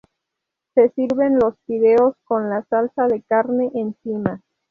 Se sirven los fideos con la salsa de carne encima.